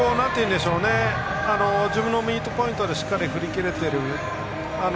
自分のミートポイントでしっかり振りきれている。